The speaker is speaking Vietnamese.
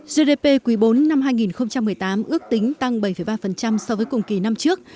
gdp quý bốn năm hai nghìn một mươi tám ước tính tăng bảy ba so với cùng kỳ năm trước